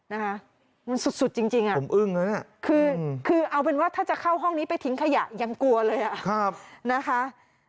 นะคะมันสุดสุดจริงอ่ะผมอึ้งนะคือเอาเป็นว่าถ้าจะเข้าห้องนี้ไปทิ้งขยะยังกลัวเลยอ่ะนะคะ